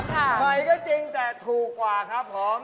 ใหม่ก็จริงแต่ถูกกว่าครับผม